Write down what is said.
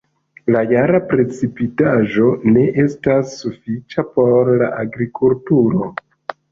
La jara precipitaĵo ne estas sufiĉa por la agrikulturo.